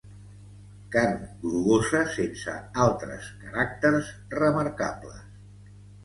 Carn grogosa sense altres caràcters remarcables.